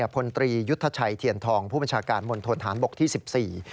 พลตรียุทธชัยเทียนทองผู้บัญชาการมณฑนฐานบกที่สิบสี่